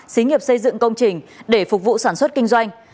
xí nghiệp xây dựng công trình để phục vụ sản xuất kinh doanh